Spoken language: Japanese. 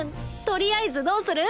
とりあえずどうする？